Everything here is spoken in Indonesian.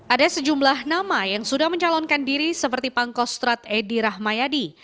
ada sejumlah nama yang sudah mencalonkan diri seperti pangkostrat edi rahmayadi